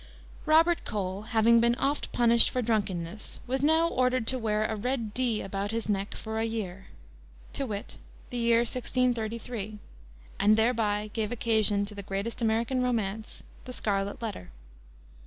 "Robert Cole, having been oft punished for drunkenness, was now ordered to wear a red D about his neck for a year" to wit, the year 1633, and thereby gave occasion to the greatest American romance, The Scarlet Letter.